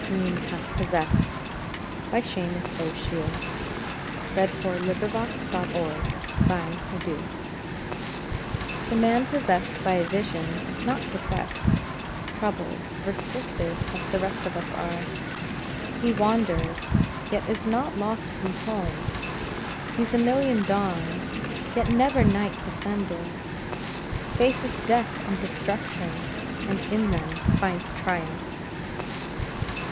Henry Bryan Binns. From "The Free Spirit." HE WHOM A DREAM HATH POSSESSED The man possessed by a vision is not perplexed, troubled, restricted, as the rest of us are. He wanders yet is not lost from home, sees a million dawns yet never night descending, faces death and destruction and in them finds triumph.